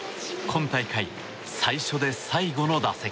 今大会最初で最後の打席。